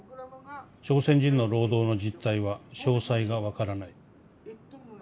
朝鮮人の労働の実態は詳細がわからない。